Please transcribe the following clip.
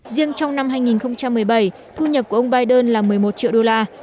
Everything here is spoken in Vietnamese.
riêng trong năm hai nghìn một mươi bảy thu nhập của ông biden là một mươi một triệu đô la